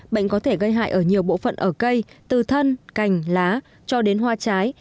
bệnh có thể gây hại ở nhiều bộ phận ở cây từ thân cành lá cho đến hoa trái